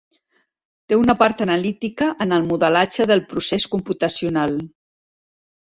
Té una part analítica en el modelatge del procés computacional.